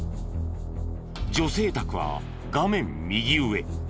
女性宅は画面右上。